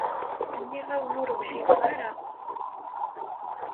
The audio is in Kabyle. Nniɣ-awen ur wjideɣ ara.